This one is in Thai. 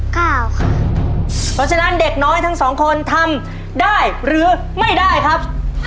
เพราะฉะนั้นเด็กน้อยทั้งสองคนทำได้หรือไม่ได้ครับ